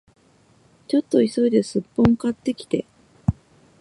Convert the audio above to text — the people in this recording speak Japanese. ちょっと急いでスッポン買ってきて